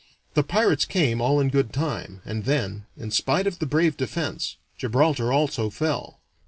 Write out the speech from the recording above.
The pirates came all in good time, and then, in spite of the brave defense, Gibraltar also fell.